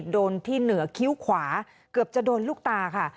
โดนที่เหนือคิ้วขวาเกือบจะโดนลูกตาค่ะ